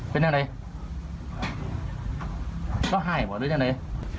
เป็นอะไร